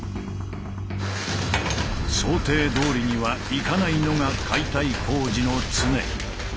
想定どおりにはいかないのが解体工事の常。